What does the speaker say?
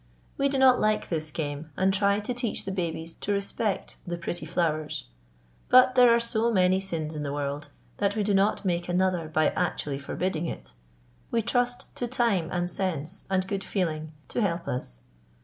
We do not like this game, and try to teach the babies to respect the pretty flowers; but there are so many sins in the world, that we do not make another by actually forbidding it; we trust to time and sense and good feeling to help us.